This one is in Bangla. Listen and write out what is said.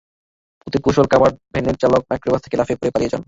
পথে কৌশলে কাভার্ড ভ্যানের চালক মাইক্রোবাস থেকে লাফিয়ে পড়ে পালিয়ে যান।